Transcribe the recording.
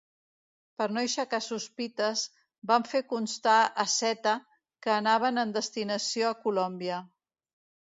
Per no aixecar sospites, van fer constar a Seta que anaven en destinació a Colòmbia.